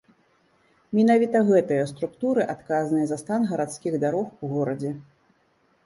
Менавіта гэтыя структуры адказныя за стан гарадскіх дарог у горадзе.